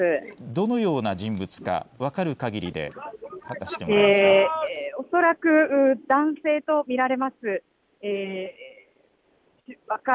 どのような人物か分かるかぎりで話してもらえますか。